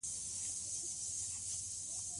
د کډوالی ستونزي د حل لپاره ځوانان کار کوي.